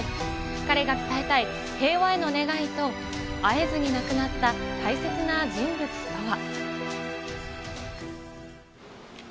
彼が伝えたい平和への願いと、会えずに亡くなった、大切な人物とは。